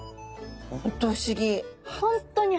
本当不思議。